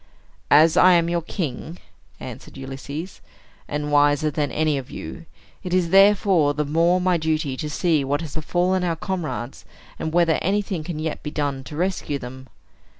"As I am your king," answered Ulysses, "and wiser than any of you, it is therefore the more my duty to see what has befallen our comrades, and whether anything can yet be done to rescue them.